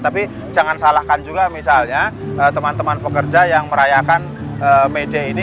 tapi jangan salahkan juga misalnya teman teman pekerja yang merayakan may day ini